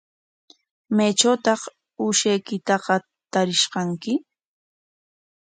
¿Maytrawtaq uushaykitaqa tarish kanki?